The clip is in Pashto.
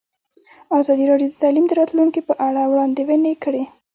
ازادي راډیو د تعلیم د راتلونکې په اړه وړاندوینې کړې.